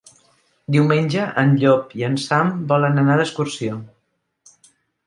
Diumenge en Llop i en Sam volen anar d'excursió.